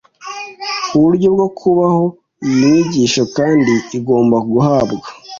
uburyo bwo kubaho Iyi nyigisho kandi igomba guhabwa